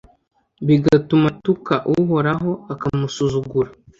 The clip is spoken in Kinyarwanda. bigatuma atuka uhoraho akamusuzugura